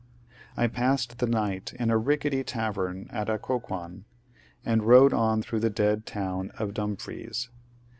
I passed the night in a rickety tavem at Occoquan, and rode on through the dead town of Dumfries.